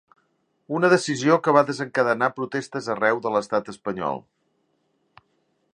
Una decisió que va desencadenar protestes arreu de l’estat espanyol.